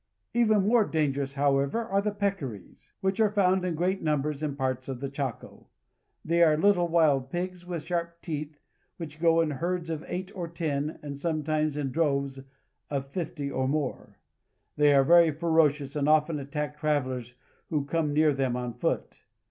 Even more dangerous, however, are the peccaries, which are found in great numbers in parts of the Chaco. They are little wild pigs with sharp teeth, which go in herds of eight or ten, and sometimes in droves of fifty or more. Peccary. THE CHACO. 241 They are very ferocious, and often attack travelers who come near them on foot.